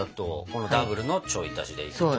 このダブルのちょい足しで。